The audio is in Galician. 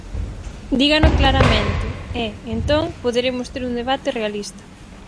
Dígano claramente e, entón, poderemos ter un debate realista.